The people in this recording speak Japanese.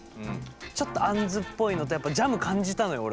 ちょっとあんずっぽいのとやっぱジャム感じたのよ